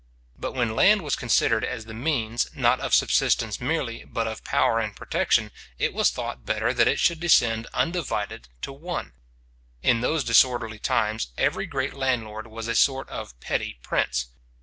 But when land was considered as the means, not of subsistence merely, but of power and protection, it was thought better that it should descend undivided to one. In those disorderly times, every great landlord was a sort of petty prince.